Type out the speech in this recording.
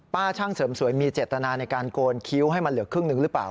ช่างเสริมสวยมีเจตนาในการโกนคิ้วให้มันเหลือครึ่งหนึ่งหรือเปล่า